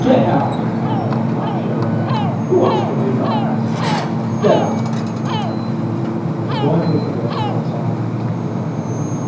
"Get out!" laughed Sheridan. "Who wants to read about accidents? Get out!" The boy moved away philosophically.